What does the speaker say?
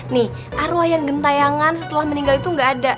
nih arwah yang gentayangan setelah meninggal itu nggak ada